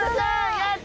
やった！